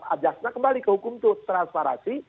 ajaknya kembali ke hukum transparansi